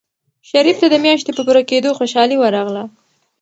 شریف ته د میاشتې په پوره کېدو خوشحالي ورغله.